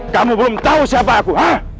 kamu belum tahu siapa aku